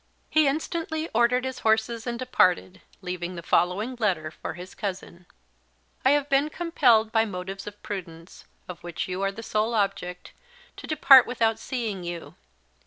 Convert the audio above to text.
He instantly ordered his horses and departed, leaving the following letter for his cousin: "I have been compelled by motives of prudence, of which you are the sole object, to depart without seeing you.